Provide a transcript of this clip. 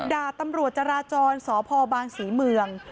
ด่าตำรวจจราจรสพบางศรีเมือง